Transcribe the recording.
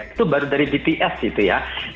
itu baru dari bts gitu ya